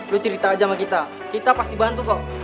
lu cerita aja sama kita kita pasti bantu kok